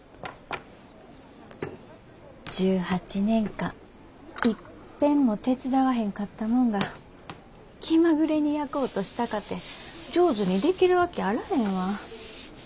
１８年間いっぺんも手伝わへんかったもんが気まぐれに焼こうとしたかて上手にできるわけあらへんわ。